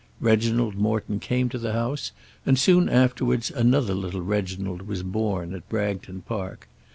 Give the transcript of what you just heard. Reginald Morton came to the house, and soon afterwards another little Reginald was born at Bragton Park.